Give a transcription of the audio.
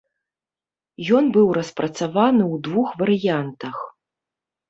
Ён быў распрацаваны ў двух варыянтах.